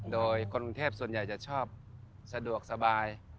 โดยคนกรุงเทพส่วนใหญ่จะชอบสะดวกสบาย